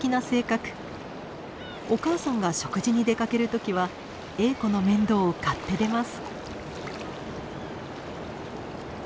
お母さんが食事に出かける時はエーコの面倒を買って出ます。